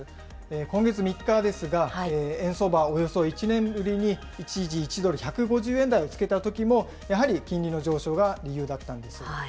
今月３日ですが、円相場、およそ１年ぶりに一時１ドル１５０円台をつけたときも、やはり金利の上昇が理由だったんです。